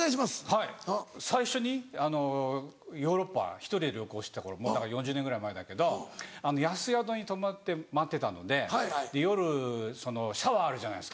はい最初にヨーロッパ１人で旅行してた頃だから４０年ぐらい前だけど安宿に泊まって回ってたので夜シャワーあるじゃないですか。